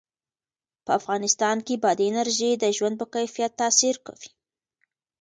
په افغانستان کې بادي انرژي د ژوند په کیفیت تاثیر کوي.